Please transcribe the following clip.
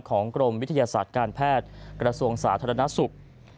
กรมวิทยาศาสตร์การแพทย์กระทรวงสาธารณสุข